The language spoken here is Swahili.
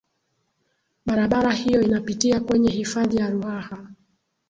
barabara hiyo inapitia kwenye hifadhi ya ruaha